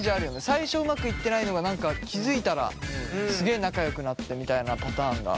最初うまくいってないのが気付いたらすげえ仲良くなってたみたいなパターンが。